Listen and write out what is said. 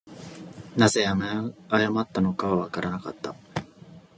何故謝ったのかはわからなかった